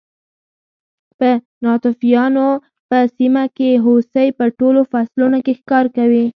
په ناتوفیانو په سیمه کې هوسۍ په ټولو فصلونو کې ښکار شوې